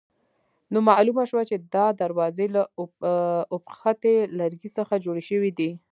نو معلومه شوه چې دا دروازې له اوبښتي لرګي څخه جوړې شوې دي.